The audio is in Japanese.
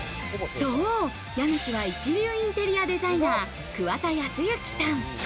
家主は一流インテリアデザイナー、桑田康之さん。